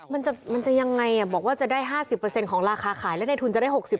มันจะมันจะยังไงอ่ะบอกว่าจะได้ห้าสิบเปอร์เซ็นต์ของราคาขายแล้วในทุนจะได้หกสิบ